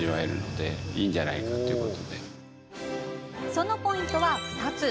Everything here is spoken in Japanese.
そのポイントは２つ。